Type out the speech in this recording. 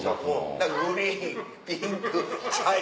だからグリーンピンク茶色。